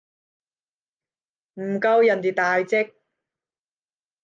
唔夠人哋大隻